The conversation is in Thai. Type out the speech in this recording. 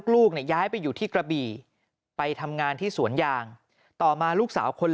ลูกเนี่ยย้ายไปอยู่ที่กระบี่ไปทำงานที่สวนยางต่อมาลูกสาวคน